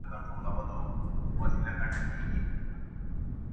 و هسک ته خېژي سپیني لاري زما له توري سینې.